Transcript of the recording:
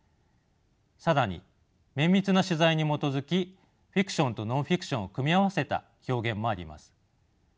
更に綿密な取材に基づきフィクションとノンフィクションを組み合わせた表現もあります。